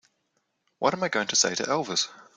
What am I going to say to Elvis?